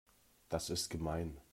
Das ist gemein.